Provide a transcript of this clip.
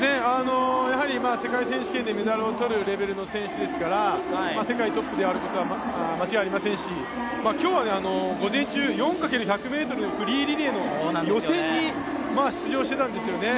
世界選手権でメダルを取るレベルの選手ですから世界トップであることは間違いありませんし、今日は午前中、４×１００ｍフリーリレーの予選に出場していたんですよね。